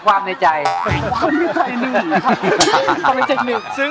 ความในใจหนึ่ง